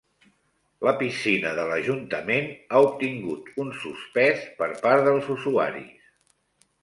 La piscina de l'Ajuntament ha obtingut un suspès per part dels usuaris.